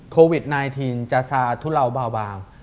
โควิด๑๙จะสาธุเหล่าบาง